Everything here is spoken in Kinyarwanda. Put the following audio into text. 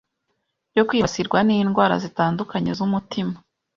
byo kwibasirwa n’indwara zitandukanye z’umutima